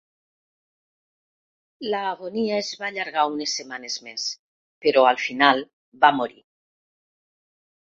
L'agonia es va allargar unes setmanes més, però al final va morir.